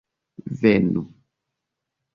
venu